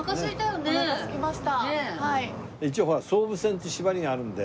一応ほら総武線って縛りがあるんで。